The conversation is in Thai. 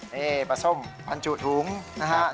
นี่ปลาส้มบรรจุถุงนะครับ